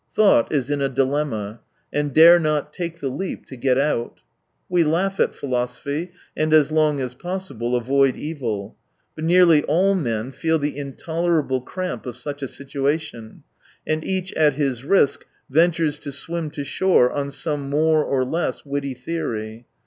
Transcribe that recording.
Thought is in a dilemma, and dare not take the leap to get out. We laugh at philosophy, and, as long as ^possible, avoid evil. But nearly all men feel the intolerable cramp of such a situation, and each at his risk ventures to swim to shore on some more or less witty theory.